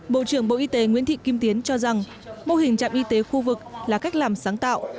bộ trưởng bộ y tế nguyễn thị kim tiến cho rằng mô hình trạm y tế khu vực là cách làm sáng tạo